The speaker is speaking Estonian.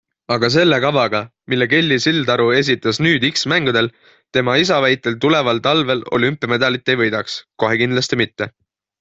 Aga selle kavaga, mille Kelly Sildaru esitas nüüd X-mängudel, tema isa väitel tuleval talvel olümpiamedalit ei võidaks, kohe kindlasti mitte.